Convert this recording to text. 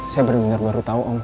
saya benar benar baru tahu om